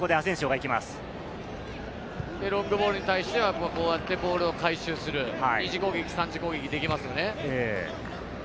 ロングボールに対してはボールを回収する、２次攻撃、３次攻撃ができますよね。